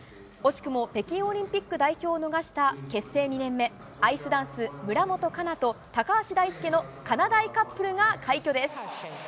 惜しくも北京オリンピック代表を逃した結成２年目、アイスダンス村元哉中と高橋大輔のカナダイカップルが快挙です。